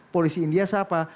polisi india siapa